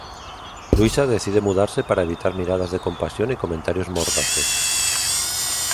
Luisa decide mudarse para evitar miradas de compasión y comentarios mordaces.